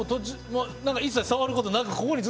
一切、触ることなく？